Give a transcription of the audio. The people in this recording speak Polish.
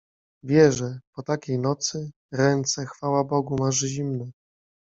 — Wierzę! Po takiej nocy! Ręce, chwała Bogu, masz zimne.